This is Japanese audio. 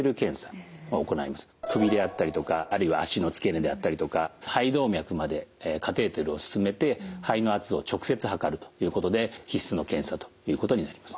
首であったりとかあるいは脚の付け根であったりとか肺動脈までカテーテルを進めて肺の圧を直接測るということで必須の検査ということになります。